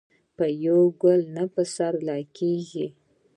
په یو ګل نه پسرلې کیږي.